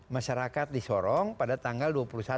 masyarakat di sorong pada tanggal dua puluh satu